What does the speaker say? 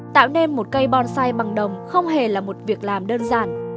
tạo nên một cây bonsai bằng đồng không hề là một việc làm đơn giản